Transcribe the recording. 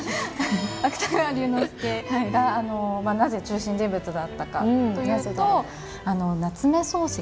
芥川龍之介がなぜ中心人物だったかというとあの夏目漱石。